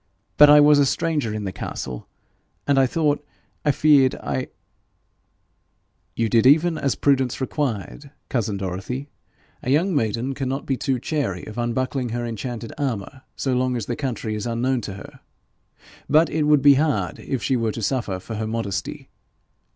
But I was a stranger in the castle, and I thought I feared I' 'You did even as prudence required, cousin Dorothy. A young maiden cannot be too chary of unbuckling her enchanted armour so long as the country is unknown to her. But it would be hard if she were to suffer for her modesty.